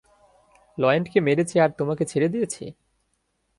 লয়েন্ডকে মেরেছে আর তোমাকে ছেড়ে দিয়েছে?